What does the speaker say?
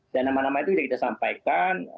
dan nama nama itu sudah kita sampaikan